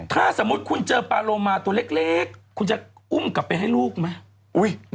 ถ้าสมมุติคุณเจอปลาโลมาตัวเล็กคุณจะอุ้มกลับไปให้ลูกไหม